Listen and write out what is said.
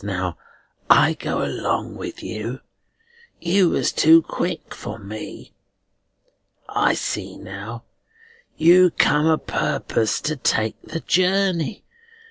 Now I go along with you. You was too quick for me. I see now. You come o' purpose to take the journey.